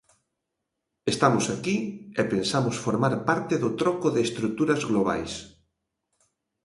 Estamos aquí, e pensamos formar parte do troco de estruturas globais.